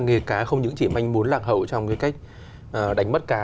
nghề cá không những chỉ manh muốn lạc hậu trong cái cách đánh bắt cá